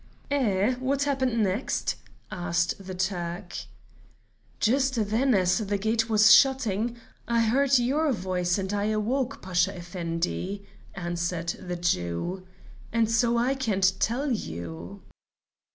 '" "Eh! What happened next?" asked the Turk. "Just then, as the gate was shutting, I heard your voice and I awoke, Pasha Effendi," answered the Jew; "and so I can't tell you."